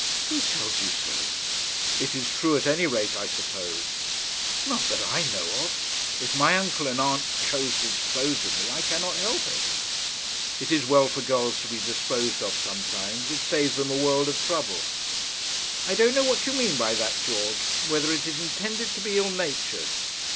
'Who tells you so?' 'It is true at any rate, I suppose.' 'Not that I know of. If my uncle and aunt choose to dispose of me, I cannot help it.' 'It is well for girls to be disposed of sometimes. It saves them a world of trouble.' 'I don't know what you mean by that, George; whether it is intended to be ill natured.'